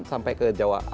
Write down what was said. sampai ke jawa